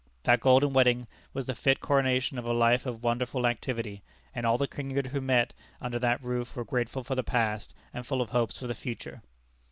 That golden wedding was the fit coronation of a life of wonderful activity, and all the kindred who met under that roof were grateful for the past, and full of hopes for the future.